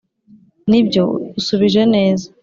”nibyo! usubije neza!”